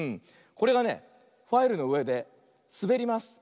これがねファイルのうえですべります。